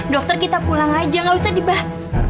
dokter kita pulang aja gak usah dibah